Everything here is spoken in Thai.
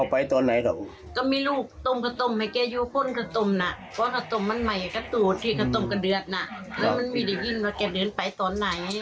มันมีก็ได้ยินว่ากันเดินไปตอนไหน